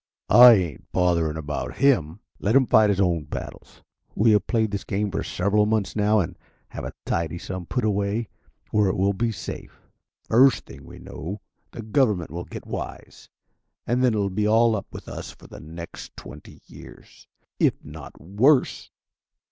"I ain't bothering about him. Let him fight his own battles. We have played this game for several months now and have a tidy sum put away where it will be safe. First thing we know the government will get wise, and then it will be all up with us for the next twenty years if not worse."